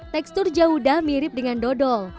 tekstur jaudah mirip dengan dodol